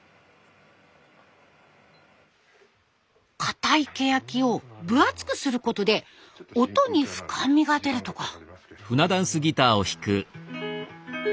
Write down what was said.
かたいケヤキを分厚くすることで音に深みが出るとか。